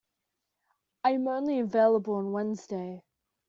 I am only available on Wednesday.